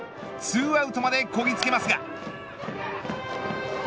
２アウトまでこぎつけますが。